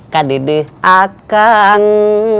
kade de akang